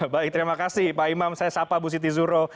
baik terima kasih pak imam saya sapa bu siti zuro